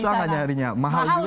susah nggak nyarinya mahal juga nggak